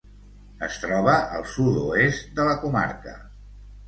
Es troba al sud-oest de la comarca.